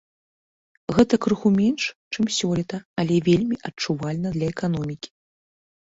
Гэта крыху менш, чым сёлета, але вельмі адчувальна для эканомікі.